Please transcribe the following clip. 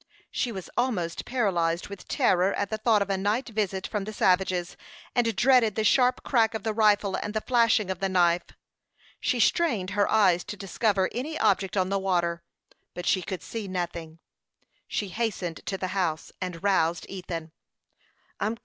She was almost paralyzed with terror at the thought of a night visit from the savages, and dreaded the sharp crack of the rifle and the flashing of the knife. She strained her eyes to discover any object on the water, but she could see nothing. She hastened to the house, and roused Ethan.